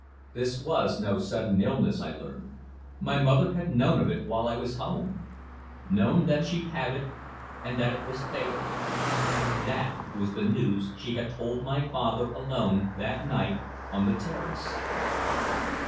This was no sudden illness, I learned, my mother had known of it while I was home, known that she had it and that it was fatal. That was the news she had told my father alone that night on the terrace!